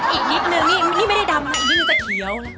อีกนิดนึงนี่ไม่ได้ดำนะอีกนิดนึงจะเขียว